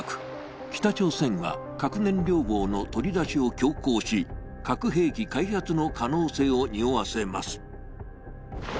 北朝鮮は核燃料棒の取り出しを強行し、核兵器開発の可能性をにおわせます。